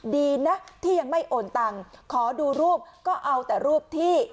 ดีนะที่ยังไม่โอนตังค์ขอดูรูปก็เอาแต่รูปที่